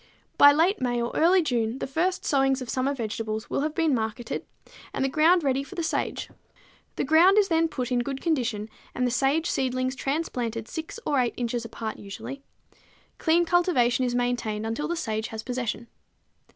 By late May or early June the first sowings of summer vegetables will have been marketed and the ground ready for the sage. The ground is then put in good condition and the sage seedlings transplanted 6 or 8 inches apart usually. Clean cultivation is maintained until the sage has possession.